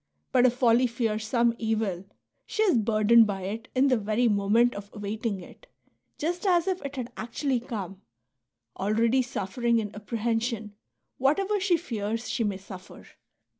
But if folly fears some evil, she is burdened by it in the very moment of awaiting it, just as if it had actually come, — already suffering in apprehension whatever she fears she may suffer.